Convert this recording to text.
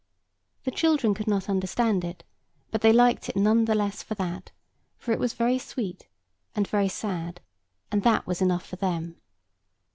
The children could not understand it, but they liked it none the less for that; for it was very sweet, and very sad; and that was enough for them.